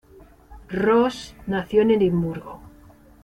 Ross nació en Edimburgo.